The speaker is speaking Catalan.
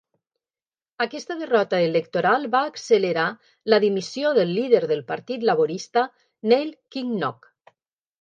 Aquesta derrota electoral va accelerar la dimissió del líder del Partit Laborista, Neil Kinnock.